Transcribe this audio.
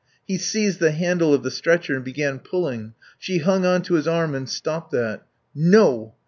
He seized the handle of the stretcher and began pulling; she hung on to his arm and stopped that. "No.